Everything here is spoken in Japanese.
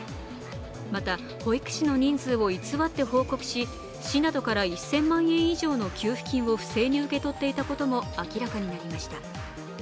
また、保育士の人数を偽って報告し、市などから１０００万円以上の給付金を不正に受け取っていたことも明らかになりました。